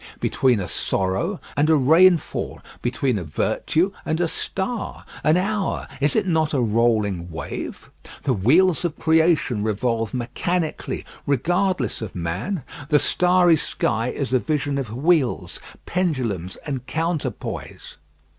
between a sorrow and a rainfall? between a virtue and a star? An hour, is it not a rolling wave? The wheels of creation revolve mechanically regardless of man. The starry sky is a vision of wheels, pendulums, and counterpoise.